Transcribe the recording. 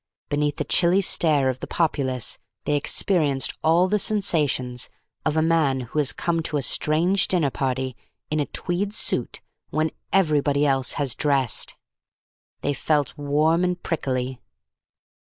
Beneath the chilly stare of the populace they experienced all the sensations of a man who has come to a strange dinner party in a tweed suit when everybody else has dressed. They felt warm and prickly.